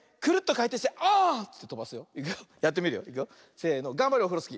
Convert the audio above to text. せのがんばれオフロスキー。